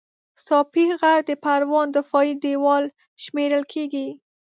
ساپی غر د پروان دفاعي دېوال شمېرل کېږي